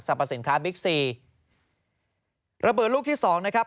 สินค้าบิ๊กซีระเบิดลูกที่สองนะครับ